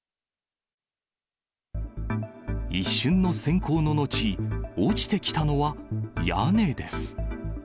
一瞬のせん光の後、落ちてきたのは、屋根です。